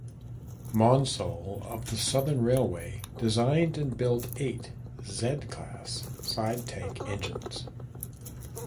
Maunsell of the Southern Railway designed and built eight Z class side tank engines.